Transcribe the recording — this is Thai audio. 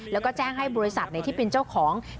แล้วก็แจ้งให้บริษัทที่เป็นเจ้าของ